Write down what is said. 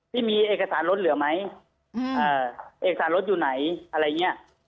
ที่มีเอกสารรถเหลือไหมอืมเอ่อเอกสารรถอยู่ไหนอะไรเงี้ย